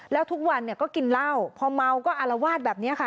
แล้วทุกวันเนี่ยก็กินเหล้าพอเมาก็อารวาสแบบนี้ค่ะ